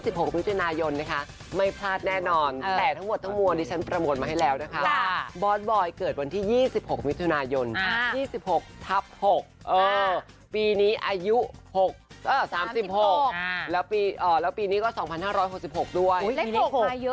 บอสบอยเกิดวันที่๒๖มิถุนายน๒๖ทับ๖ปีนี้อายุ๓๖แล้วปีนี้ก็๒๕๖๖ด้วย